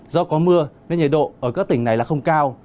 do có mưa nên nhiệt độ ở các tỉnh này là không cao